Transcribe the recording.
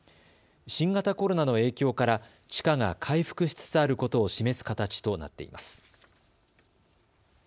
新型コロナの影響から地価が回復しつつあることを示す形となっています。